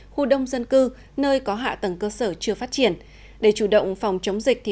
khu đông dân cư nơi có hạ tầng cơ sở chưa phát triển để chủ động phòng chống dịch